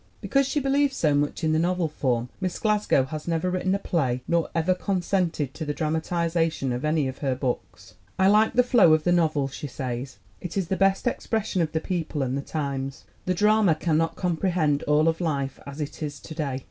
" Because she believes so much in the novel form, Miss Glasgow has never written a play nor ever con sented to the dramatization of any of her books. "I like the flow of the novel," she says. "It is the best expression of the people and the times. The drama cannot comprehend all of life as it is to day.